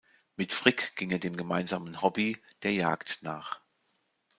Mit Frick ging er dem gemeinsamen Hobby, der Jagd nach.